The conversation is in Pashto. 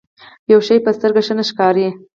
يو شی په سترګو ښه نه ښکاري.